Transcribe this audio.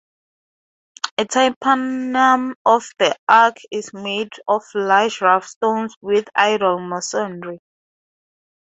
The tympanum of the arch is made of large rough stones with idol masonry.